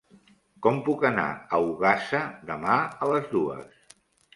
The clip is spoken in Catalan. Com puc anar a Ogassa demà a les dues?